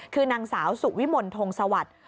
คือนางสาวสุวิมนธงสวรรค์